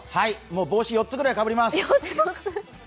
帽子４つぐらいかぶります。